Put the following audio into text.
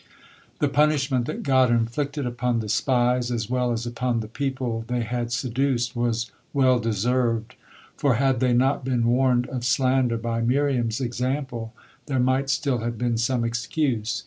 The punishment that God inflicted upon the spies as well as upon the people they had seduced was well deserved, for had they not been warned of slander by Miriam's example, there might still have been some excuse.